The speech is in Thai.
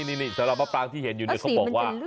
นี่สำหรับมะปรางที่เห็นอยู่เนี่ยเขาบอกว่า